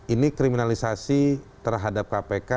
ini kriminalisasi terhadap kpk